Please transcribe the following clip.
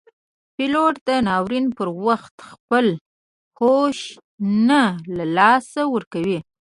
پیلوټ د ناورین پر وخت خپل هوش نه له لاسه ورکوي.